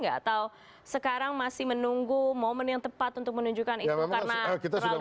atau sekarang masih menunggu momen yang tepat untuk menunjukkan itu karena terlalu